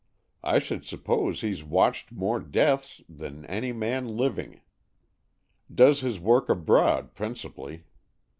I should suppose he's watched more deaths than any man living. Does his work abroad principally.